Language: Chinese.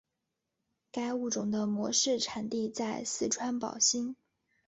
该物种的模式产地在四川宝兴。